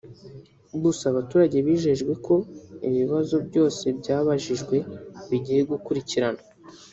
gusa abaturage bijejewe ko ibibazo byose byabajijwe bigiye gukurikiranwa